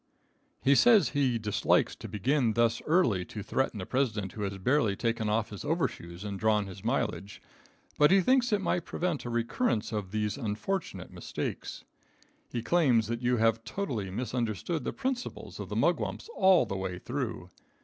He says he dislikes to begin thus early to threaten a President who has barely taken off his overshoes and drawn his mileage, but he thinks it may prevent a recurrence of these unfortunate mistakes. He claims that you have totally misunderstood the principles of the mugwumps all the way through.